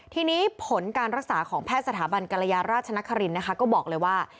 ทีนี้ผลการรักษาของแพทย์สถาบันกรยาราชนครินนะคะก็บอกเลยว่า